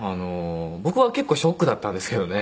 僕は結構ショックだったんですけどね。